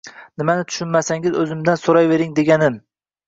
Nimani tushunmasangiz o`zimdan so`rayvering degandim